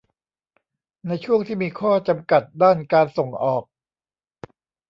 ในช่วงที่มีข้อจำกัดด้านการส่งออก